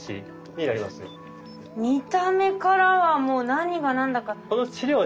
見た目からはもう何が何だか。